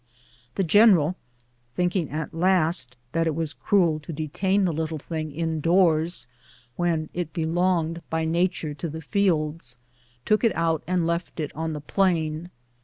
The general, thinking at last that it was cruel to detain the little thing in doors when it belonged by nature to the fields, took it out and left it on the plain.